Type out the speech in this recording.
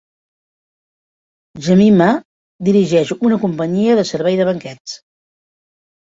Jemima dirigeix una companyia de servei de banquets.